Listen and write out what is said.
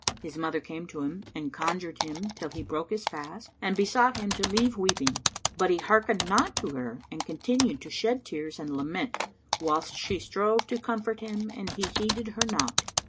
His mother came to him and conjured him, till he broke his fast, and besought him to leave weeping; but he hearkened not to her and continued to shed tears and lament, whilst she strove to comfort him and he heeded her not.